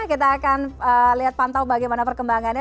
kita akan lihat pantau bagaimana perkembangannya